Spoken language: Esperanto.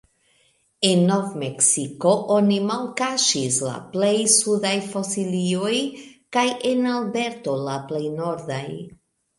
En Nov-Meksiko oni malkaŝis la plej sudaj fosilioj kaj en Alberto la plej nordaj.